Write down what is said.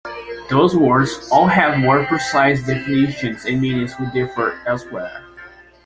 These words all have more precise definitions and meanings will differ elsewhere.